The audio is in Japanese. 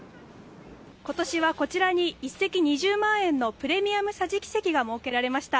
今年はこちらに１席２０万円のプレミアム桟敷席が設けられました。